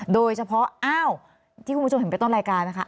โดยเฉพาะที่คุณผู้ชมเห็นไปตอนรายการค่ะ